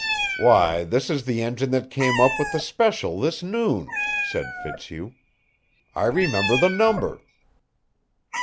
"Why, this is the engine that came up with the special this noon," said Fitzhugh. "I remember the number."